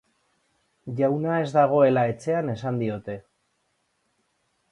Jauna ez dagoela etxean esan diote.